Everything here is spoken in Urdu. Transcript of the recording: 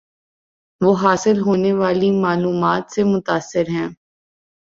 وہ حاصل ہونے والی معلومات سے متاثر ہیں